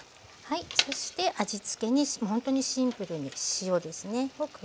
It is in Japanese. そして味つけにほんとにシンプルに塩ですね加えていきます。